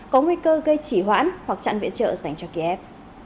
có nguy cơ gây chỉ hoãn hoặc chặn viện trợ dành cho kiev